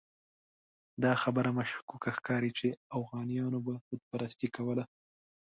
دا خبره مشکوکه ښکاري چې اوغانیانو به بت پرستي کوله.